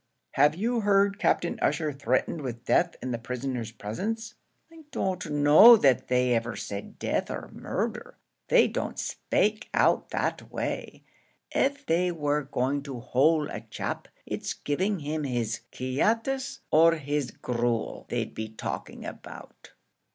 "Have you heard Captain Ussher threatened with death in the prisoner's presence?" "I don't know that they ever said death or murder; they don't spake out that way; av they war going to hole a chap, it's giving him his quiatis or his gruel they'd be talking about."